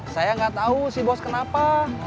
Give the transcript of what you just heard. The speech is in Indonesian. saya gak tau si bos kenapa